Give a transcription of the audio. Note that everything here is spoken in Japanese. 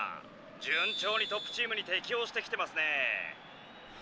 順調にトップチームに適応してきてますね」。